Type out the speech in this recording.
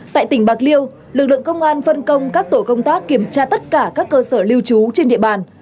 tại tỉnh bạc liêu lực lượng công an phân công các tổ công tác kiểm tra tất cả các cơ sở lưu trú trên địa bàn